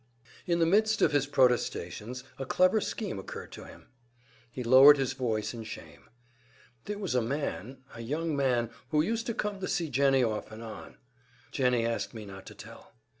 In the midst of his protestations a clever scheme occurred to him. He lowered his voice in shame. There was a man, a young man, who used to come to see Jennie off and on. "Jennie asked me not to tell."